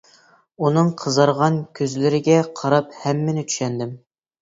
ئۇنىڭ قىزارغان كۆزلىرىگە قاراپ ھەممىنى چۈشەندىم.